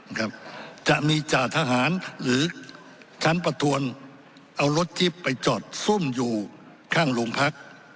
ครับจะมีจ่าทหารหรือชั้นประทวนเอารถทิพย์ไปจอดซุ่มอยู่ข้างโรงพัก